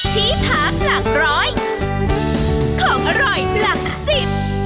ที่พักหลักร้อยของอร่อยหลักสิบ